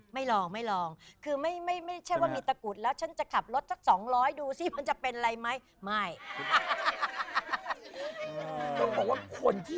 ไม่ลองไม่ลองคือไม่ใช่ว่ามีตะกรุดแล้วฉันจะขับรถสัก๒๐๐ดูสิมันจะเป็นอะไรไหมไม่